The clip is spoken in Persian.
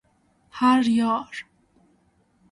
هریار